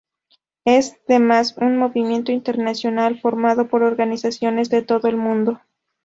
Es, además, un movimiento internacional formado por organizaciones de todo el mundo.